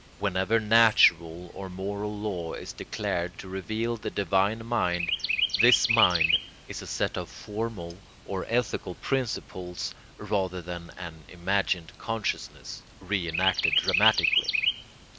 Whenever natural or moral law is declared to reveal the divine mind, this mind is a set of formal or ethical principles rather than an imagined consciousness, re enacted dramatically.